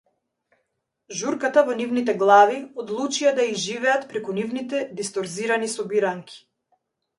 Журката во нивните глави одлучија да ја изживеат преку нивните дисторзирани собиранки.